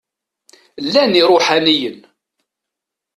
Llan iṛuḥaniyen.